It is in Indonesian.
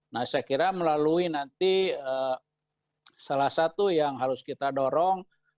nah saya kira melalui nanti salah satu yang harus kita dorong